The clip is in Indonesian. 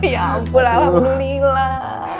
ya ampun alhamdulillah